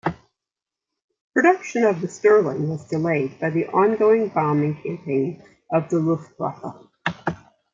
Production of the Stirling was delayed by the ongoing bombing campaign of the "Luftwaffe".